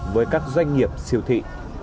với các doanh nghiệp siêu thị